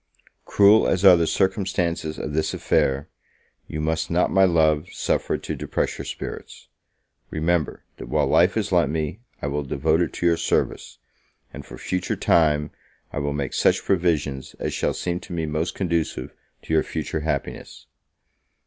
Cruel as are the circumstances of this affair, you must not, my love, suffer it to depress your spirits: remember, that while life is lent me, I will devote it to your service; and, for future time, I will make such provisions as shall seem to me most conducive to your future happiness.